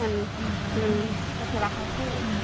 มันคุณรักของคู่